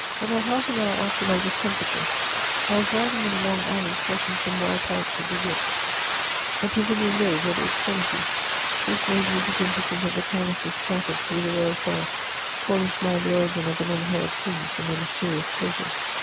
About half an hour after my discomfiture, I was riding in a long alley crossing some wild parts of the Wood ; a pavilion rose at the eztrennty; this made me begun t0 think of the palaces scat tered through the royal forests, calling to mind the origin of the ^ong haired Kings and their iaysterious pleasures.